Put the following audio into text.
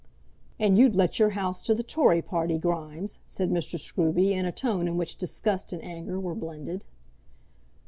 "And you'd let your house to the Tory party, Grimes!" said Mr. Scruby, in a tone in which disgust and anger were blended.